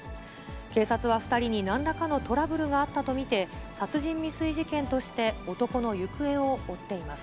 警察は２人になんらかのトラブルがあったと見て、殺人未遂事件として男の行方を追っています。